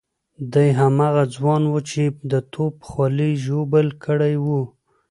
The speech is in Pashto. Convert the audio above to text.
دی هماغه ځوان وو چې د توپ خولۍ ژوبل کړی وو.